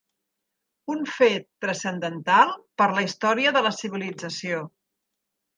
Un fet transcendental per a la història de la civilització.